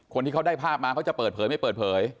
คนที่เขาได้ภาพอ่าหเวทเล่ยังไง